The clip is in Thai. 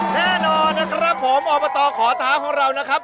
แน่นอนนะครับผมอบตขอท้าของเรานะครับ